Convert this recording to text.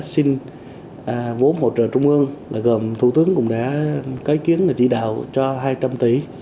xin vốn hỗ trợ trung ương gồm thủ tướng cũng đã cấy kiến là chỉ đạo cho hai trăm linh tỷ